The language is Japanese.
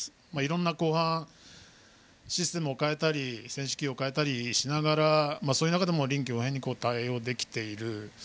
いろいろ後半システムを変えたり選手を代えたりしながらその中でも臨機応変に対応できている。